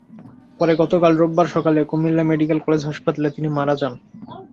পরে গতকাল রোববার সকালে কুমিল্লা মেডিকেল কলেজ হাসপাতালে তিনি মারা যান।